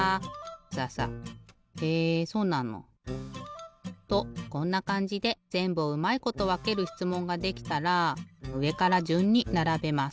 ササへえそうなの！とこんなかんじでぜんぶうまいことわけるしつもんができたらうえからじゅんにならべます。